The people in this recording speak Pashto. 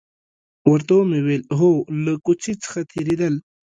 ورته ومې ویل: هو، له کوڅې څخه تېرېدل.